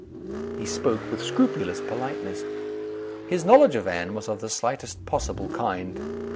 He spoke with scrupulous politeness. His knowledge of Anne was of the slightest possible kind.